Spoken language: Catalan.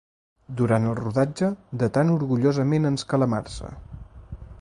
Durant el rodatge de tan orgullosament ens calamarsa!